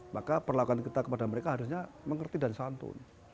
maka perlakuan kita kepada mereka harusnya mengerti dari santun